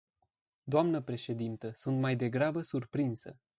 Dnă președintă, sunt mai degrabă surprinsă.